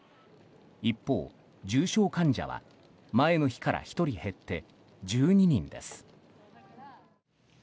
一方、重症患者は前の日から１人減って１２人です。